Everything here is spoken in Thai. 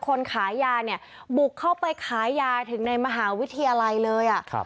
คนขายยาเนี่ยบุกเข้าไปขายยาถึงในมหาวิทยาลัยเลย